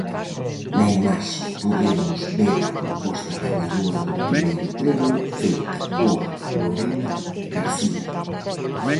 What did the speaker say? Na imaxe podemos ver a proposta gañadora do primeiro premio, feita por Lorena García.